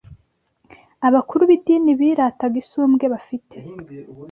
Abakuru b’idini birataga isumbwe bafite